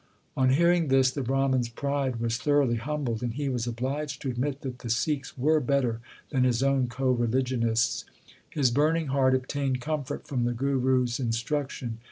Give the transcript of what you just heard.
2 On hearing this the Brahman s pride was tho roughly humbled, and he was obliged to admit that the Sikhs were better than his own co religionists. His burning heart obtained comfort from the Guru s instruction.